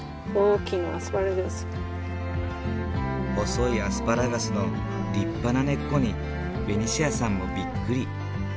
細いアスパラガスの立派な根っこにベニシアさんもびっくり。